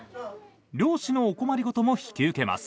漁師のお困り事も引き受けます。